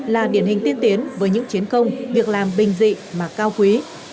là điển hình tiên tiến với những chiến công việc làm bình dị mà cao quý